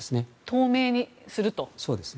透明にすると。